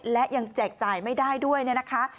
และยังแจกจ่ายไม่ได้ด้วยเนี่ยนะคะ